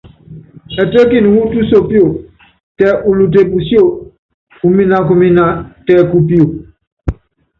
Ɛtɛ́kini wu túnsopio, tɛ ulute pusíó, uminakumina tɛ kupio.